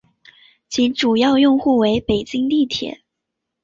其主要用户为北京地铁。